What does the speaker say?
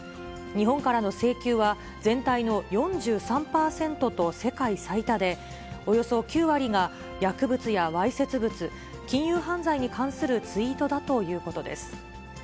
日本からの請求は、全体の４３％と世界最多で、およそ９割が薬物やわいせつ物、金融犯罪に関するツイートだということです。